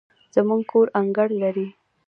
زموږ کور انګړ لري